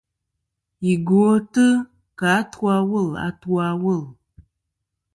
Yi gwotɨ kɨ atu a wul a atu a wul.